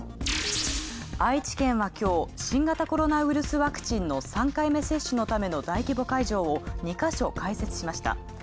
愛知県はきょう、新型コロナウイルスワクチンの３回目接種のための大規模会場を２か所開設しました。